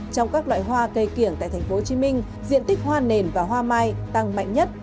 trong các loại hoa cây kiểng tại tp hcm diện tích hoa nền và hoa mai tăng mạnh nhất